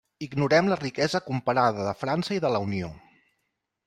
Ignorem la riquesa comparada de França i de la Unió.